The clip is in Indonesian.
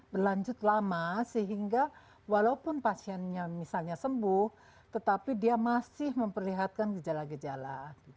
berlanjut lama sehingga walaupun pasiennya misalnya sembuh tetapi dia masih memperlihatkan gejala gejala